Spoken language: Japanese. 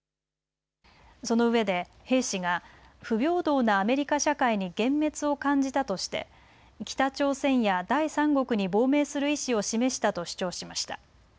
そのうえで兵士が不平等なアメリカ社会に幻滅を感じたとして北朝鮮や第三国に亡命する意思を示したと主張しました。